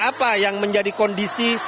apa yang menjadi kondisi